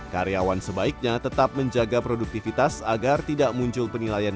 karyawan sebaiknya tetap menjaga produktivitas agar tidak muncul penilaian yang terlalu banyak